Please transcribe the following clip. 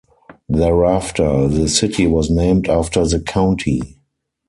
Thereafter, the city was named after the county.